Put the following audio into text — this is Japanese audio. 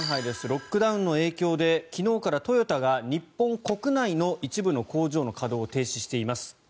ロックダウンの影響で昨日からトヨタが日本国内の一部の工場の稼働を停止しています。